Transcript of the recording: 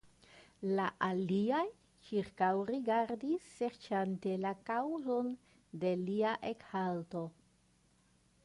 La aliaj ĉirkaŭrigardis serĉante la kaŭzon de lia ekhalto.